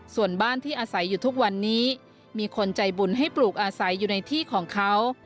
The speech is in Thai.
ส่วนบ้านที่อาศัยอยู่ทุกวันนี้มีคนใจบุญให้ปลูกอาศัยอยู่ในที่ของเขา